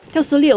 theo số liệu